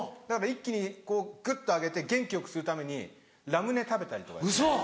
だから一気にグッと上げて元気よくするためにラムネ食べたりとかして。